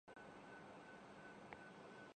اُسے اپنی بھر پور رفاقت کا احساس دلاتی ہے